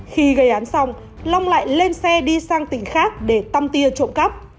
khi gây án xong long lại lên xe đi sang tỉnh khác để tăm tia trộm cắp